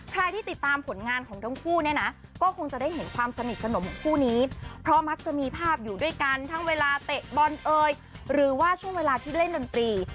ใครที่ติดตามผลงานของทั้งคู่เนี่ยนะก็คงจะได้เห็นความสนิทสนมของคู่นี้เพราะมักจะมีภาพอยู่ด้วยกันทั้งเวลาเตะบอลเอ่ยหรือว่าช่วงเวลาที่เล่นดนตรี